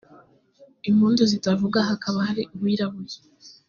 impundu zitavuga hakaba hari uwirabuye